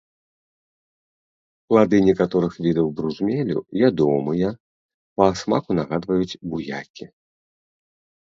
Плады некаторых відаў бружмелю ядомыя, па смаку нагадваюць буякі.